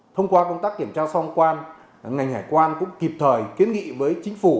thông qua công tác kiểm tra sau thông quan ngành hải quan cũng kịp thời kiến nghị với chính phủ